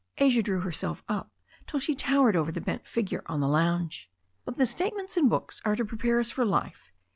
Asia drew herself up till she towered over the bent figure on the lounge. "But the statements in books are to prepare us for life.